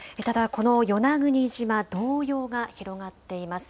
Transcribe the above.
この与那国島、動揺が広がっています。